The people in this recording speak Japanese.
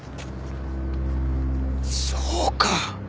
そうか！